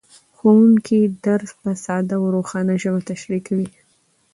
ښوونکی درس په ساده او روښانه ژبه تشریح کوي